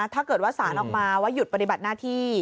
ถ้าเกิดว่าสารออกมาว่าหยุดปฏิบัติหน้าที่